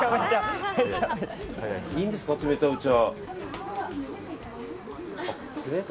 いいんですか、冷たいお茶。